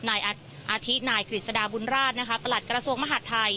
นายอาทินายกฤษฎาบุญราชประหลัดกระทรวงมหาดไทย